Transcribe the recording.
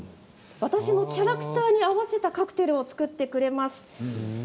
私のキャラクターに合わせたカクテルを作ってくれました。